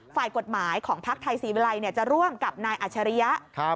ฝ่ายกฎหมายของภักดิ์ไทยศรีวิลัยจะร่วมกับนายอัชริยะ